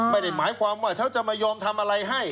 ไม่ได้หมายความว่าเขาจะมายอมทำอะไรให้